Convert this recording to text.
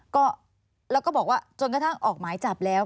ก็แล้วก็บอกว่าจนกระทั่งออกหมายจับแล้ว